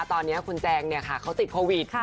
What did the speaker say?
ตอนนี้คุณแจงเขาติดโควิด